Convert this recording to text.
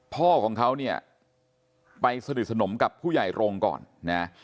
พ่อของเขาเนี่ยไปสนิทสนมกับผู้ใหญ่รงค์ก่อนนะ